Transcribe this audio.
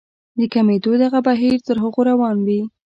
د کمېدو دغه بهير تر هغو روان وي.